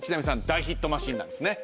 大ヒットマシンなんですね？